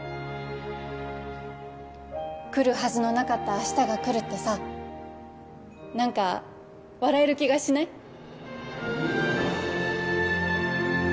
来るはずのなかった明日が来るってさ何か笑える気がしない？